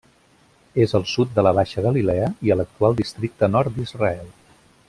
És al sud de la Baixa Galilea i a l'actual districte Nord d'Israel.